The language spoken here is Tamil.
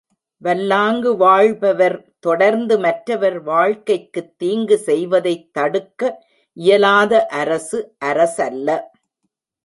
வல்லாங்கு வாழ்பவர் தொடர்ந்து மற்றவர் வாழ்க்கைக்குத் தீங்கு செய்வதைத் தடுக்க இயலாத அரசு, அரசல்ல.